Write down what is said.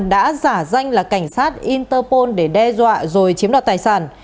đã giả danh là cảnh sát interpol để đe dọa rồi chiếm đoạt tài sản